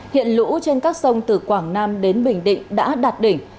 hiện lũ trên các sông từ quảng nam đến bình định đã đạt đỉnh